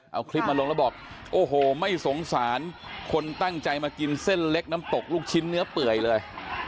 เอาคลิปมาลงแล้วบอกโอ้โหไม่สงสารคนตั้งใจมากินเส้นเล็กน้ำตกลูกชิ้นเนื้อเปื่อยเลย